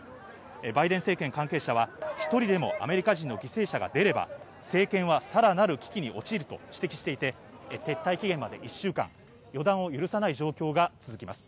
バイデン政権関係者は１人でもアメリカ人の犠牲者が出れば政権はさらなる危機に陥ると指摘していて撤退まで期限は１週間、予断を許さない状況が続きます。